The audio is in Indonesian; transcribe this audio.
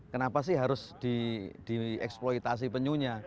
kenapa sih harus dieksploitasi penyunya